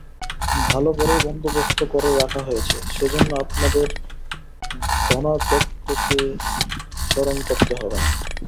ভালো ঘরের বন্দোবস্ত করে রাখা হয়েছে সেজন্যে আপনাদের ধনাধ্যক্ষকে স্মরণ করতে হবে না।